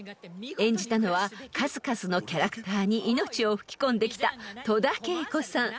［演じたのは数々のキャラクターに命を吹き込んできた戸田恵子さん］